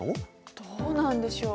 どうなんでしょう。